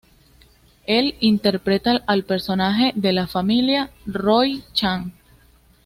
Él interpreta al personaje padre de la familia; Roy Chan.